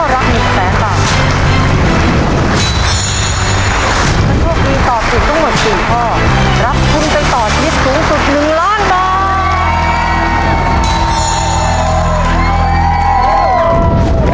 รับทุนไปต่อชีวิตสูงสุด๑ล้านบาท